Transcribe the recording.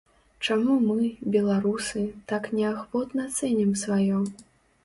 Чаму мы, беларусы, так неахвотна цэнім сваё?